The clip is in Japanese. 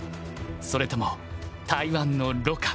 それとも台湾の盧か。